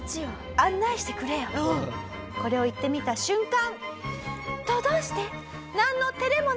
これを言ってみた瞬間。